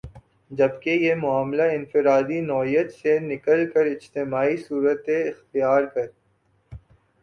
جبکہ یہ معاملہ انفرادی نوعیت سے نکل کر اجتماعی صورت اختیار کر